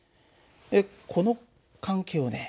この関係をね